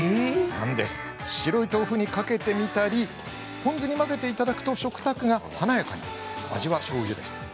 白い豆腐にかけてみたりポン酢に混ぜていただくと食卓が華やかに。